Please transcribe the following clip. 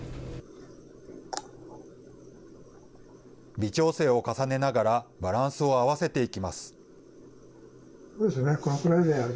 微調整を重ねながら、バランスを合わせていきます。